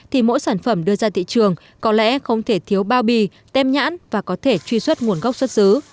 thì mỗi sản phẩm đưa ra thị trường có lẽ không thể thiếu bao bì tem nhãn và có thể truy xuất nguồn gốc xuất xứ